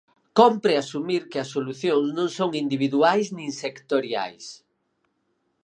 Cómpre asumir que as solucións non son individuais nin sectoriais.